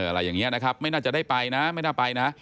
อะไรอย่างนี้นะครับไม่น่าจะได้ไปนะไม่น่าไปนะ